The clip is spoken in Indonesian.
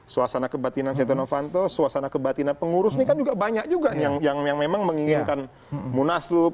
suasana kebatinan setia novanto suasana kebatinan pengurus ini kan juga banyak juga yang memang menginginkan munaslup